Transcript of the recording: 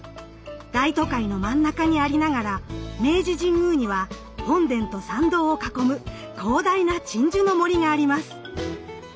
大都会の真ん中にありながら明治神宮には本殿と参道を囲む広大な鎮守の森があります。